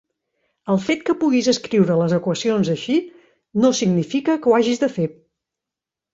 El fet que puguis escriure les equacions així no significa que ho hagis de fer.